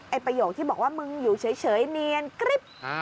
ไอ้ประโยคที่บอกว่ามึงอยู่เฉยเฉยเนียนกริ๊บอ่า